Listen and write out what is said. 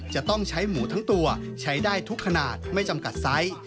จะต้องใช้หมูทั้งตัวใช้ได้ทุกขนาดไม่จำกัดไซส์